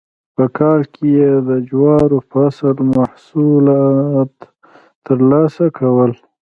په کال کې یې د جوارو فصله محصولات ترلاسه کول.